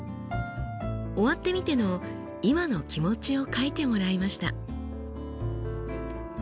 終わってみての今の気持ちを書いてもらいました。